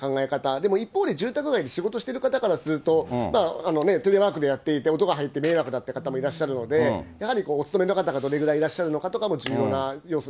でも一方で住宅街で仕事してる方からすると、テレワークでやっていて、音が入って迷惑だった方もいらっしゃるので、やはりお勤めの方がどれぐらいいらっしゃるのかとかも重要な要素